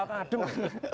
iya nggak ada